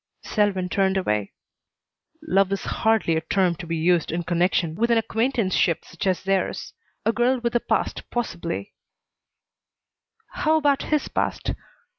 Selwyn turned away. "Love is hardly a term to be used in connection with an acquaintanceship such as theirs. A girl with a past, possibly " "How about his past?"